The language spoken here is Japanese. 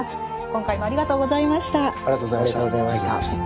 今回もありがとうございました。